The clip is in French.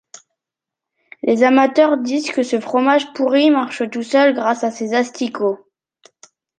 Les amateurs disent que ce fromage pourri marche tout seul, grâce à ses asticots.